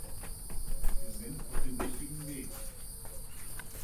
Wir sind auf dem richtigen Weg.